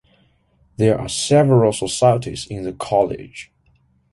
There are several societies in the college.